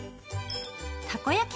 たこ焼き